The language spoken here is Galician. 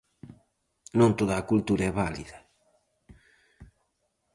Non toda a cultura é válida.